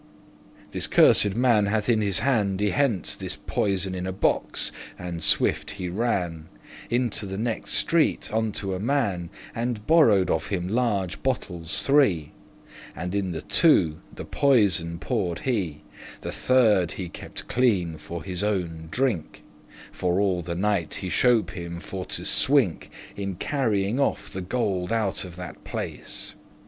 This cursed man hath in his hand y hent* *taken This poison in a box, and swift he ran Into the nexte street, unto a man, And borrow'd of him large bottles three; And in the two the poison poured he; The third he kepte clean for his own drink, For all the night he shope him* for to swink *purposed labour In carrying off the gold out of that place.